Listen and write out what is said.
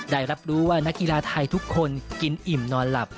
ได้รับรู้ว่านักกีฬาไทยทุกคนกินอิ่มนอนหลับ